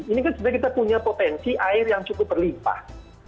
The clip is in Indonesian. ini kan sebenarnya kita punya potensi air yang cukup berlimpah